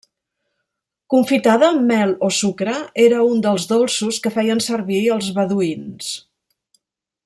Confitada amb mel o sucre era un dels dolços que feien servir els beduïns.